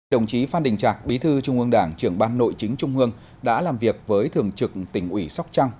đồng chí phan đình trạc bí thư trung ương đảng trưởng ban nội chính trung ương đã làm việc với thường trực tỉnh ủy sóc trăng